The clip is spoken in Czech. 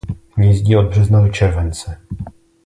Hnízdí od března do července.